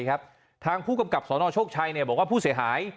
ครับทางผู้กำกับสนโชชัยเนี่ยบอกว่าผู้เสียหาย